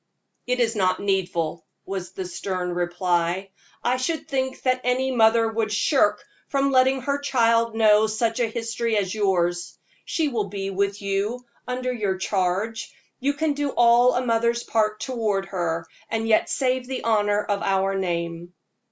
"It is not needful," was the stern reply. "I should think that any mother would shrink from letting her child know such a history as yours. She will be with you under your charge you can do all a mother's part toward her, and yet save the honor of our name."